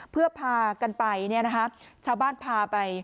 เพื่อพากันไปชาวบ้านพาไป